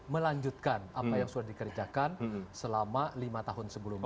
melanjutkan apa yang sudah dikerjakan selama lima tahun sebelumnya